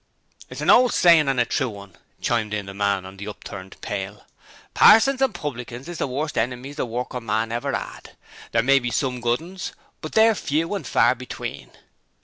'It's an old sayin' and a true one,' chimed in the man on the upturned pail. 'Parsons and publicans is the worst enemies the workin' man ever 'ad. There may be SOME good 'uns, but they're few and far between.'